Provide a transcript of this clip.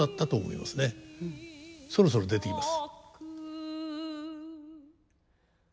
そろそろ出てきます。